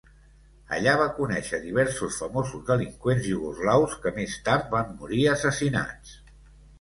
Allà va conèixer diversos famosos delinqüents iugoslaus que més tard van morir assassinats.